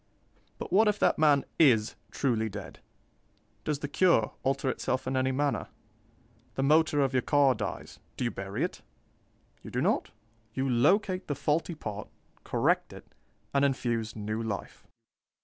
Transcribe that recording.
But what if that man is truly dead? Does the cure alter itself in any manner? The motor of your car dies do you bury it? You do not; you locate the faulty part, correct it, and infuse new life.